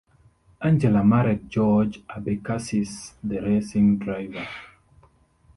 Angela married George Abecassis the racing driver.